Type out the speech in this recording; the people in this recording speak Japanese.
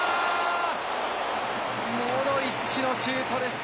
モドリッチのシュートでした。